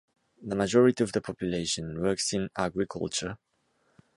The majority of the population works in agriculture.